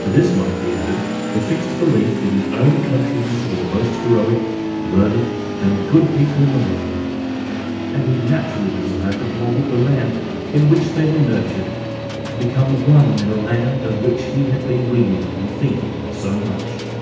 To this might be added, the fixed belief that his own countrymen were the most heroic, learned, and good people in the world; and he naturally desired to behold the land in which they were nurtured, and to become one in a land of which he had been reading and thinking so much.